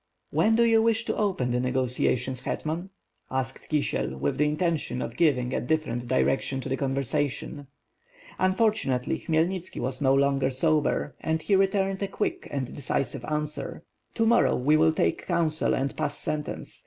"When do you wish to open the negotiations, Hetman?" asked Kisiel, with the intention of giving a different direc tion to the conversation. Unfortunately, Khmyelnitski was no longer sober, and he returned a quick and decisive answ^er. "To morrow we will take counsel and pass sentence.